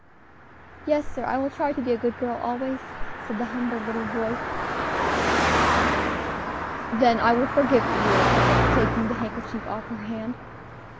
"Yes, sir, I will try to be a good girl always," said the humble little voice. "Then I will forgive you," he replied, taking the handkerchief off her hand.